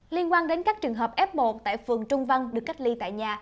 liên quan đến các trường hợp f một tại phường trung văn được cách ly tại nhà